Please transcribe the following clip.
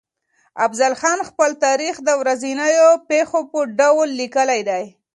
افضل خان خپل تاريخ د ورځنيو پېښو په ډول ليکلی دی.